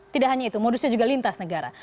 tidak hanya itu modusnya juga lintas negara